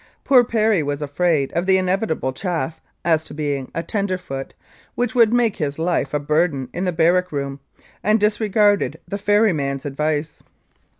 Poor Perry was afraid of the inevitable "chaff" as to being a "tenderfoot," which would make his life a burden in the barrack room, and disregarded the ferryman's advice.